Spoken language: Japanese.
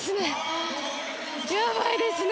やばいですね。